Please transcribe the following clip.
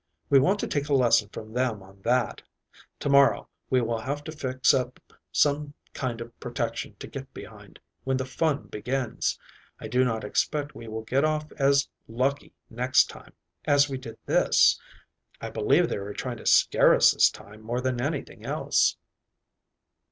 We want to take a lesson from them on that. To morrow we will have to fix up some kind of protection to get behind when the fun begins. I do not expect we will get off as lucky next time as we did this. I believe they were trying to scare us this time more than anything else."